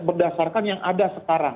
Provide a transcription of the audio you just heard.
berdasarkan yang ada sekarang